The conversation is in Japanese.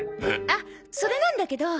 あっそれなんだけど。